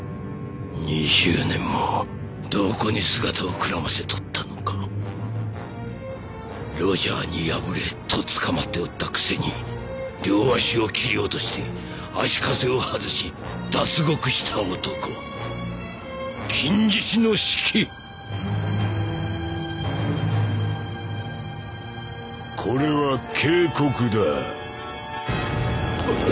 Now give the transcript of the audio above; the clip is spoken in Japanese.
２０年もどこに姿をくらませとったのかロジャーに破れとっ捕まっておったくせに両脚を切り落として足かせを外し脱獄した男金獅子のシキこれは警告だ